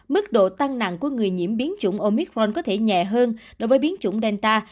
mức độ tăng nặng của người nhiễm biến chủng omitforn có thể nhẹ hơn đối với biến chủng delta